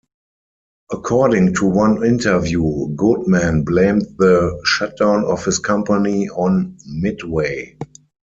According to one interview, Goodman blamed the shutdown of his company on Midway.